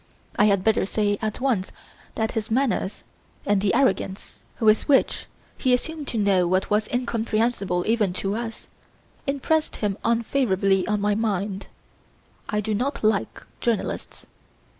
I had better say at once that his manners, and the arrogance with which he assumed to know what was incomprehensible even to us, impressed him unfavourably on my mind. I do not like journalists.